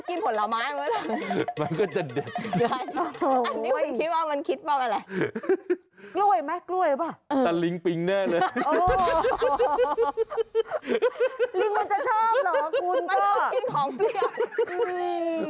คุณพุทธยอมรู้จักตะลิ้งปิ๊งไหม